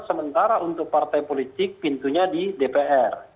nah itu memang sementara untuk partai politik pintunya di dpr